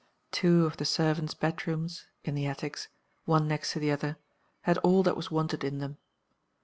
Two of the servants' bedrooms (in the attics), one next to the other, had all that was wanted in them.